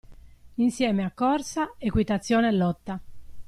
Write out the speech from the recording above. Insieme a corsa, equitazione e lotta.